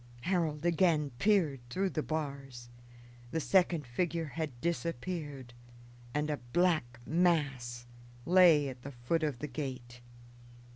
Harold again peered through the bars. The second figure had disappeared, and a black mass lay at the foot of the gate.